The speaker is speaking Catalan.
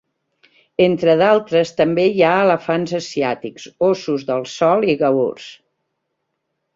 Entre d'altres, també hi ha elefants asiàtics, Óssos del Sol i Gaurs.